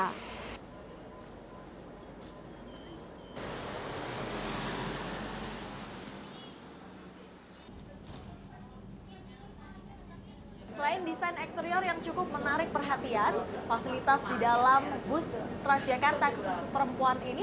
selain desain eksterior yang cukup menarik perhatian fasilitas di dalam bus transjakarta khusus perempuan ini